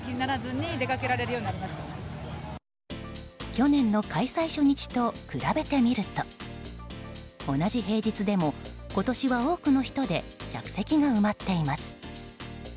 去年の開催初日と比べてみると同じ平日でも、今年は多くの人で客席が埋まっています。